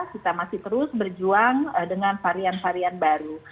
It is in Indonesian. kita masih terus berjuang dengan varian varian baru